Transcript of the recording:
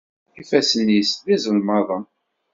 Ifassen-is d iẓelmaḍen.